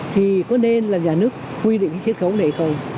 thì có nên là nhà nước quy định cái triết khấu này hay không